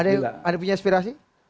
ada yang punya inspirasi